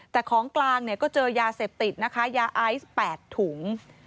แต่ของกลางก็เจอยาเสพติดยาไอซ์๘ถุง